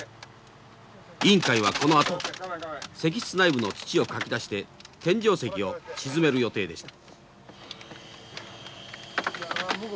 委員会はこのあと石室内部の土をかき出して天井石を沈める予定でした。